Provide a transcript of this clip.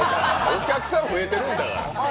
お客さんが増えたんだから。